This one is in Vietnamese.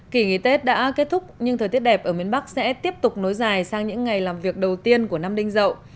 kỳ nghỉ tết đã kết thúc nhưng thời tiết đẹp ở miền bắc sẽ tiếp tục nối dài sang những ngày làm việc đầu tiên của năm đinh dậu